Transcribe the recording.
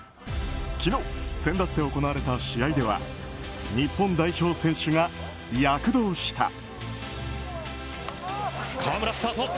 昨日、先立って行われた試合では日本代表選手が躍動した。